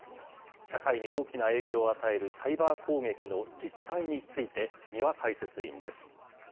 社会に大きな影響を与えるサイバー攻撃の実態について、三輪解説委員です。